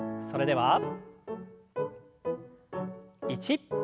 それでは１。